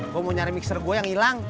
gue mau nyari mixer gue yang hilang